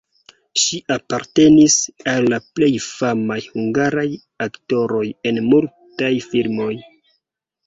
Ŝi apartenis al la plej famaj hungaraj aktoroj en mutaj filmoj.